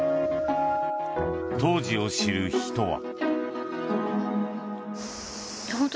当時を知る人は。